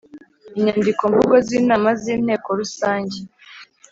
Inyandikomvugo z inama z Inteko Rusange